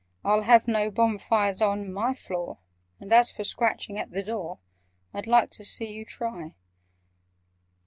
I'll have no bonfires on my floor— And, as for scratching at the door, I'd like to see you try!"